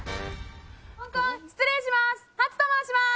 失礼します。